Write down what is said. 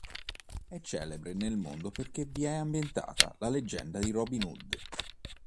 È celebre nel mondo perché vi è ambientata la leggenda di Robin Hood.